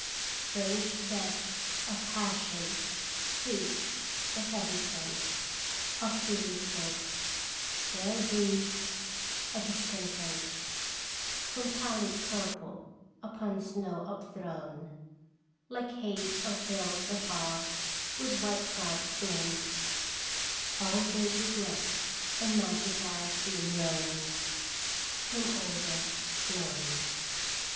Strange depth of passion freights the heavy scent Of heliotrope ; there breathes a discontent From pallid purple upon snow upthrown, Like haze of hills afar with white cloud blent; All vague regret and mad desire seem loan From odor blown.